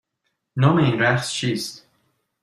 نام این رقص چیست؟